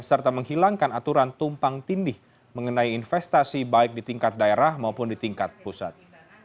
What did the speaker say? serta menghilangkan aturan tumpang tindih mengenai investasi baik di tingkat daerah maupun di tingkat pusat